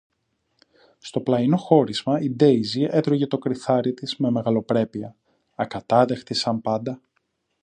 Στο πλαϊνό χώρισμα, η Ντέιζη έτρωγε το κριθάρι της με μεγαλοπρέπεια, ακατάδεχτη σαν πάντα